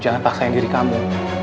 jangan paksain diri kamu